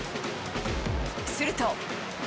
すると。